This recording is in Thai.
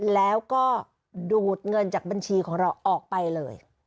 แล้วก็ดูดเงินจากบัญชีของเราออกไปเลย